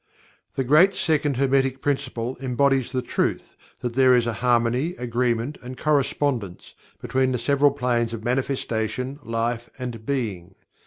The great Second Hermetic Principle embodies the truth that there is a harmony, agreement, and correspondence between the several planes of Manifestation, Life and Being.